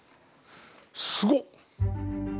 すごっ！